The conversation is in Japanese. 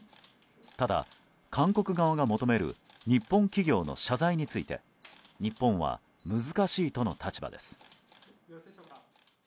ただ、韓国側が求める日本企業の謝罪について日本は、難しいとの立場です。